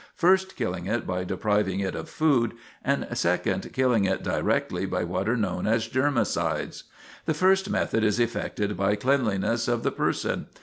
first, killing it by depriving it of food; and, second, killing it directly by what are known as germicides. The first method is effected by cleanliness of the person.